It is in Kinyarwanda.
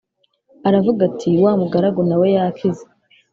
Aravuga ati wa mugaragu nawe yakize